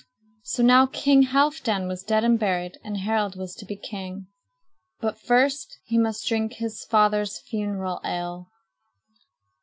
So now King Halfdan was dead and buried, and Harald was to be king. But first he must drink his father's funeral ale.